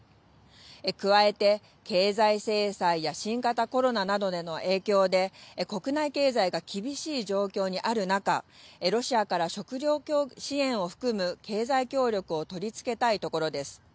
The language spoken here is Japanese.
加えて、経済制裁や新型コロナなどでの影響で、国内経済が厳しい状況にある中、ロシアから食料支援を含む経済協力を取り付けたいところです。